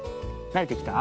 なれてきた。